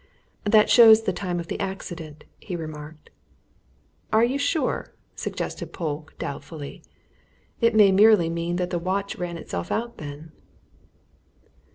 "That shows the time of the accident," he remarked. "Are you sure?" suggested Polke doubtfully. "It may merely mean that the watch ran itself out then."